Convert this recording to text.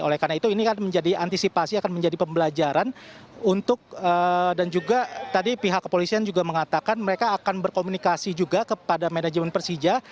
oleh karena itu ini kan menjadi antisipasi akan menjadi pembelajaran untuk dan juga tadi pihak kepolisian juga mengatakan mereka akan berkomunikasi juga kepada manajemen persija